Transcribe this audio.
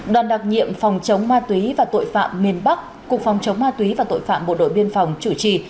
đoàn đặc nhiệm phòng chống ma túy và tội phạm miền bắc cục phòng chống ma túy và tội phạm bộ đội biên phòng chủ trì